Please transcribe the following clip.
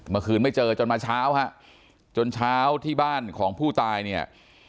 เมื่อคืนไม่เจอจนมาเช้าฮะจนเช้าที่บ้านของผู้ตายเนี่ย